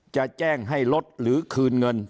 จะแจ้งให้ลดหรือคืนเงิน